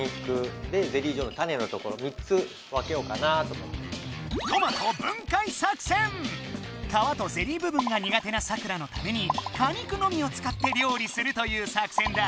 そしたらね皮とゼリー部分が苦手なサクラのために果肉のみをつかって料理するという作戦だ。